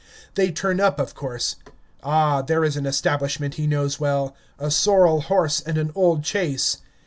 They turn up, of course. Ah, there is an establishment he knows well: a sorrel horse and an old chaise.